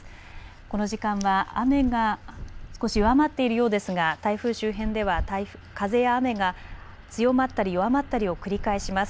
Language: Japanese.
この時間は雨が少し弱まっているようですが台風周辺では風や雨が強まったり弱まったりを繰り返します。